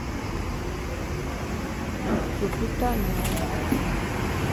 Lupita Nyong’o